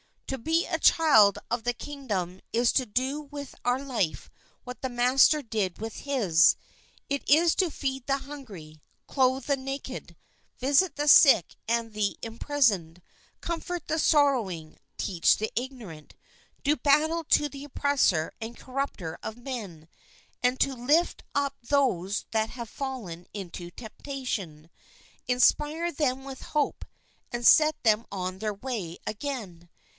To be a child of the King sf dom is to do with our life what the Master did with his. It is to feed the hungry, clothe the naked, visit the sick and the imprisoned, comfort , the sorrowing, teach the ignorant, do battle to the oppressor and corrupter of men, and to lift up those that have fallen into temptation, inspire them with hope, and set them on their way J again.